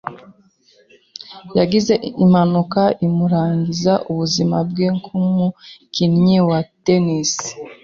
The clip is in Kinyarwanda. Yagize impanuka imurangiza ubuzima bwe nkumukinnyi wa tennis.